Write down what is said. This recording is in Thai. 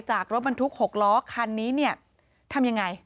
จากรถบรรทุก๖ล้อคันนี้ทำอย่างไร